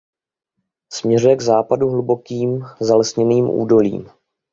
Směřuje pak k západu hlubokým zalesněným údolím.